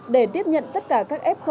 để tiếp nhận tất cả các f